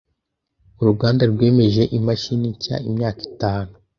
Uruganda rwemeje imashini nshya imyaka itanu